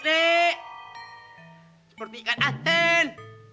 seperti ikan asin